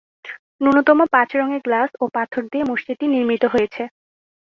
ন্যূনতম পাঁচ রঙের গ্লাস ও পাথর দিয়ে মসজিদটি নির্মিত হয়েছে।